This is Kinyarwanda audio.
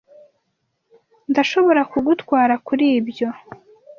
Ndashobora kugutwara kuri ibyo.